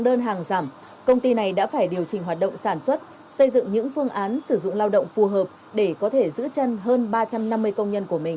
đơn hàng giảm công ty này đã phải điều chỉnh hoạt động sản xuất xây dựng những phương án sử dụng lao động phù hợp để có thể giữ chân hơn ba trăm năm mươi công nhân của mình